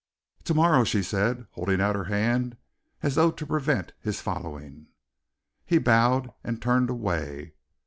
"To morrow," she said, holding out her hand as though to prevent his following. He bowed and turned away.